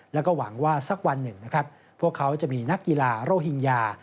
แล้วก็หวังว่าสักวันหนึ่งนะครับพวกเขาจะมีนักกีฬาโรฮิงญา